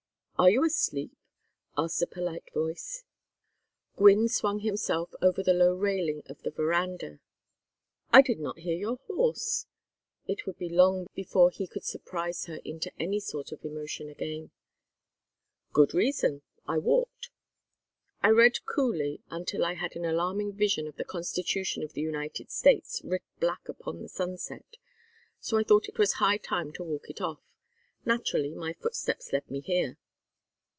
"Are you asleep?" asked a polite voice. Gwynne swung himself over the low railing of the veranda. "I did not hear your horse." It would be long before he could surprise her into any sort of emotion again. "Good reason. I walked. I read Cooley until I had an alarming vision of the Constitution of the United States writ black upon the sunset, so I thought it was high time to walk it off. Naturally my footsteps led me here."